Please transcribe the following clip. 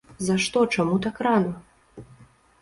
За што, чаму так рана?